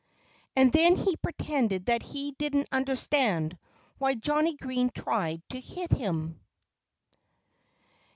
And then he pretended that he didn't understand why Johnnie Green tried to hit him.